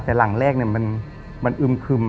แต่หลังแรกเนี่ยมันอึมคึม